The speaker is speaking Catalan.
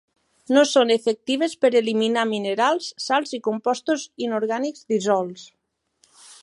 No són efectives per eliminar minerals, sals i compostos inorgànics dissolts.